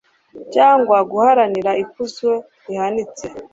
cyangwa guharanira ikuzo rihanitse